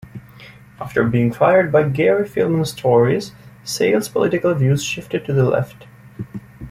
After being fired by Gary Filmon's Tories, Sale's political views shifted to the left.